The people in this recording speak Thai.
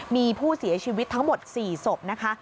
มีผู้เสียชีวิตทั้งหมด๔ศพนะคะ